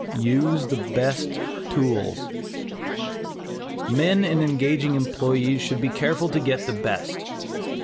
USE THE BEST TOOLS. Men in engaging employees should be careful to get the best.